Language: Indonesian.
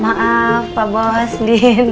maaf pak boslin